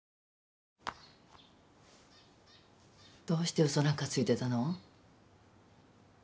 どうして嘘なんかついてたの？